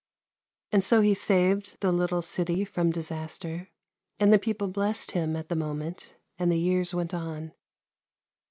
And so he saved the little city from disaster, and the people blessed him at the moment ; and the years went on.